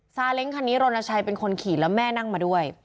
เล้งคันนี้รณชัยเป็นคนขี่แล้วแม่นั่งมาด้วย